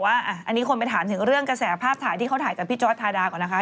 อันนี้คนไปถามถึงเรื่องกระแสภาพถ่ายที่เขาถ่ายกับพี่จอร์ดทาดาก่อนนะคะ